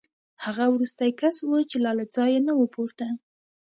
هغه وروستی کس و چې لا له ځایه نه و پورته